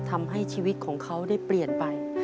ทำให้ชีวิตของเขาได้เปลี่ยนไป